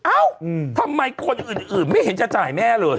เอ้าทำไมคนอื่นไม่เห็นจะจ่ายแม่เลย